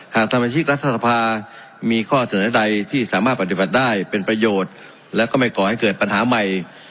สมาชิกรัฐสภามีข้อเสนอใดที่สามารถปฏิบัติได้เป็นประโยชน์และก็ไม่ก่อให้เกิดปัญหาใหม่